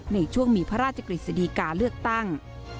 ในช่วงมีพระราชกฤษฎีกาเลือกตั้ง